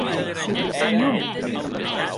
Senhor!